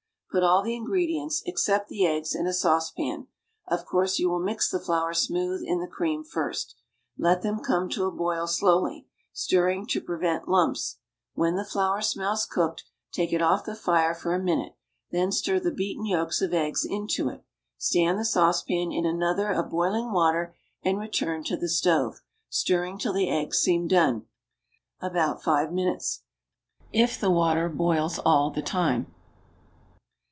Put all the ingredients, except the eggs, in a saucepan of course you will mix the flour smooth in the cream first let them come to a boil slowly, stirring to prevent lumps; when the flour smells cooked, take it off the fire for a minute, then stir the beaten yolks of eggs into it. Stand the saucepan in another of boiling water and return to the stove, stirring till the eggs seem done about five minutes, if the water boils all the time.